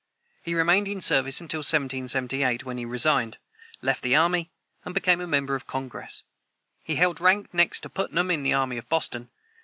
He remained in service until 1778, when he resigned, left the army, and became a member of Congress. He held rank next to Putnam in the army at Boston.